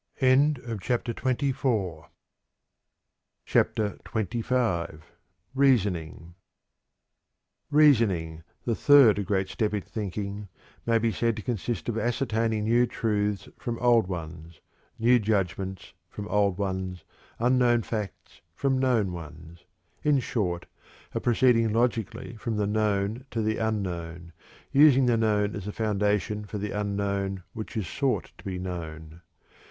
CHAPTER XXV. Reasoning. Reasoning, the third great step in thinking, may be said to consist of ascertaining new truths from old ones, new judgments from old ones, unknown facts from known ones; in short, of proceeding logically from the known to the unknown, using the known as the foundation for the unknown which is sought to be known.